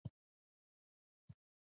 ایا سګرټ څکوئ؟